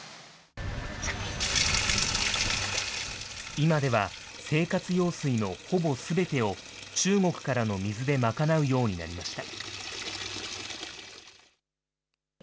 今では生活用水のほぼすべてを、中国からの水で賄うようになりました。